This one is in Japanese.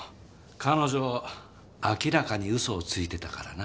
彼女明らかに嘘をついてたからな。